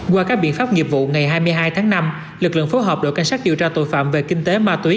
qua các biện pháp nghiệp vụ ngày hai mươi hai tháng năm lực lượng phối hợp đội cảnh sát điều tra tội phạm về kinh tế ma túy